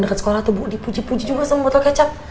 dekat sekolah tuh bu dipuji puji juga sama motor kecap